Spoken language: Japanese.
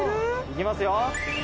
いきますよ。